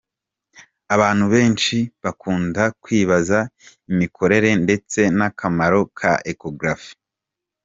Abantu benshi bakunda kwibaza imikorere ndetse n’akamaro ka Echographie.